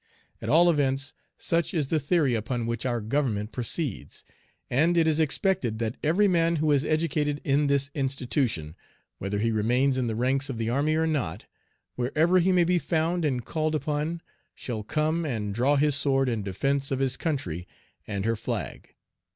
At all events, such is the theory upon which our government proceeds, and it is expected that every man who is educated in this institution, whether he remains in the ranks of the army or not, wherever he may be found and called upon, shall come and draw his sword in defence of his country and her flag.